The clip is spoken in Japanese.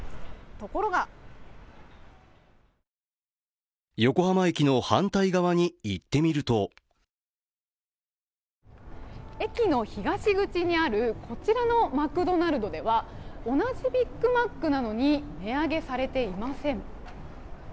ところが横浜駅の反対側に行ってみると駅の東口にあるこちらのマクドナルドでは同じビックマックなのに値上げされていません。